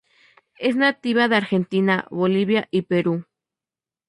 Es nativa de Argentina, Bolivia y Perú.